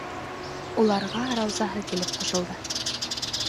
Уларға Раузаһы килеп ҡушылды.